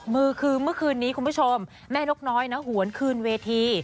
มือคือเมื่อคืนนี้คุณผู้ชมแม่นกน้อยนะหวนคืนเวที